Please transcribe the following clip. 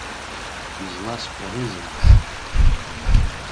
Изласҳәарызеи?